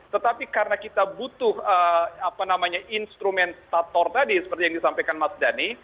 tetapi karena kita butuh apa namanya instrumentator tadi seperti yang disampaikan mas dady